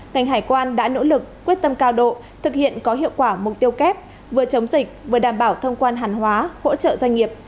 ngành hải quan đã nỗ lực quyết tâm cao độ thực hiện có hiệu quả mục tiêu kép vừa chống dịch vừa đảm bảo thông quan hàng hóa hỗ trợ doanh nghiệp